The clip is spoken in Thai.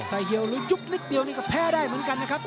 แต่เหี่ยวหรือยุบนิดเดียวนี่ก็แพ้ได้เหมือนกันนะครับ